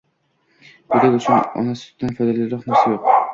Go‘dak uchun ona sutidan foydaliroq narsa yo‘q.